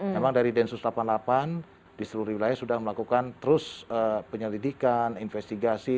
memang dari densus delapan puluh delapan di seluruh wilayah sudah melakukan terus penyelidikan investigasi